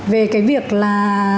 về cái việc là